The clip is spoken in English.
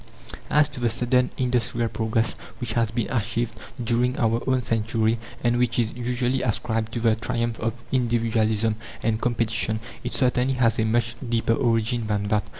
As to the sudden industrial progress which has been achieved during our own century, and which is usually ascribed to the triumph of individualism and competition, it certainly has a much deeper origin than that.